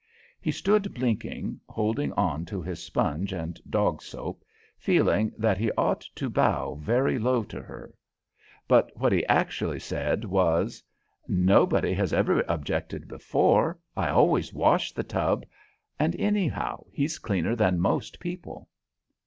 He stood blinking, holding on to his sponge and dog soap, feeling that he ought to bow very low to her. But what he actually said was: "Nobody has ever objected before. I always wash the tub, and, anyhow, he's cleaner than most people."